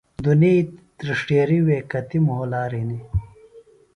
دُنئی تِرݜٹیرِیۡ وے کتیۡ مھولار ہِنیۡ۔